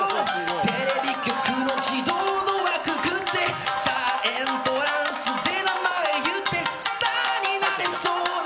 テレビ局の自動ドアくぐってさあ、エントランスで名前言ってスターになりそうな